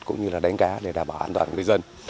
cũng như là đánh cá để đảm bảo an toàn người dân